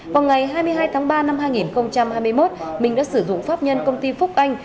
vào ngày hai mươi hai tháng ba năm hai nghìn hai mươi một minh đã sử dụng pháp nhân công ty phúc anh